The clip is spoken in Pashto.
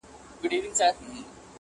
گیله من وو له اسمانه له عالمه،